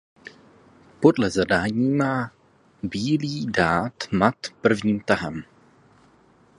Podle zadání má bílý dát mat prvním tahem.